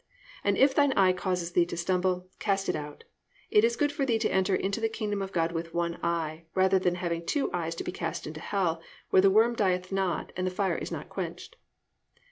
And if thine eye cause thee to stumble, cast it out; it is good for thee to enter into the kingdom of God with one eye, rather than having two eyes to be cast into hell, where the worm dieth not, and the fire is not quenched."